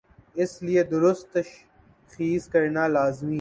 اس لئے درست تشخیص کرنالازمی ہے۔